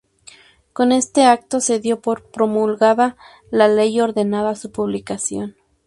Con este acto, se dio por promulgada la Ley y ordenada su publicación.